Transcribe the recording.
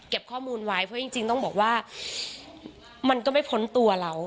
ข้อมูลไว้เพราะจริงต้องบอกว่ามันก็ไม่พ้นตัวเรา